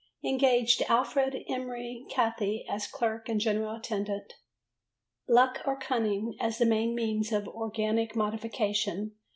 Engaged Alfred Emery Cathie as clerk and general attendant. Luck or Cunning as the main means of Organic Modification?